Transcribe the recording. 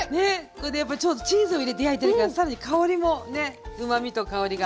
これでやっぱちょうどチーズを入れて焼いてるから更に香りもねうまみと香りが。